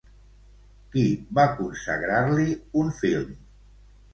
Qui va consagrar-li un film?